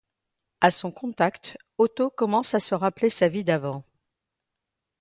À son contact, Otto commence à se rappeler sa vie d'avant…